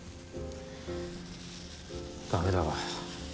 ダメだわ。